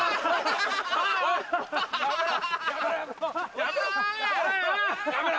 ・やめろ！